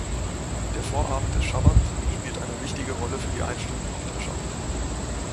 Der Vorabend des Schabbat spielt eine wichtige Rolle für die Einstimmung auf den Schabbat.